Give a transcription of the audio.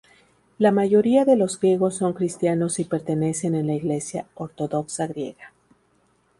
La mayoría de los griegos son cristianos y pertenecen en la Iglesia Ortodoxa Griega.